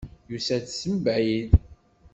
Yusa-d seg mebɛid.